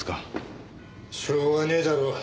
しょうがねえだろ。